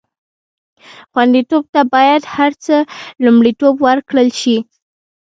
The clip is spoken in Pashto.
خوندیتوب ته باید تر هر څه لومړیتوب ورکړل شي.